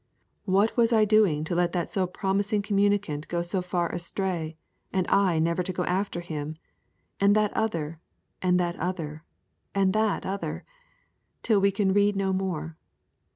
What was I doing to let that so promising communicant go so far astray, and I never to go after him? And that other. And that other. And that other. Till we can read no more.